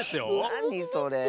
なにそれ？